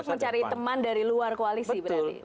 harus mencari teman dari luar koalisi berarti